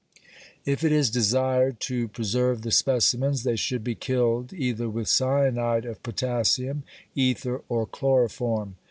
If it is desired to preserve the specimens, they should be killed either with cyanide of potassium, ether, or chloroform.